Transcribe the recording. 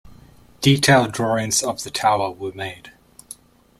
Detailed drawings of the tower were made.